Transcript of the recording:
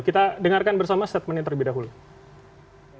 kita dengarkan bersama statementnya terlebih dahulu